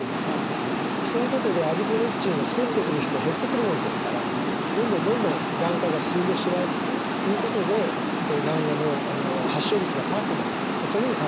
そういうことでアディポネクチンが太ってくる人減ってくるもんですからどんどんどんどんがん化が進んでしまうということでがんの発症率が高くなるとそういうふうに考えられています。